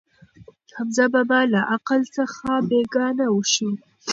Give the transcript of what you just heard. حمزه بابا له عقل څخه بېګانه شو.